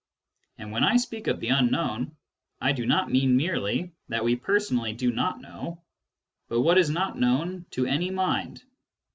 And when I speak of the unknown, I do not mean merely what we personally do not know, but what is not known to any mind.